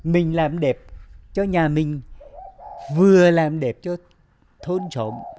mình làm đẹp cho nhà mình vừa làm đẹp cho thôn trộm